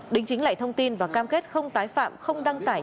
đính chính lại thông tin và cam kết không tái phạm không đăng tải